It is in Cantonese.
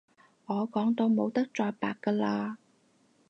我講到冇得再白㗎喇